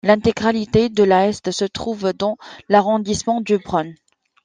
L'intégralité de la est se trouve dans l'arrondissement du Bronx.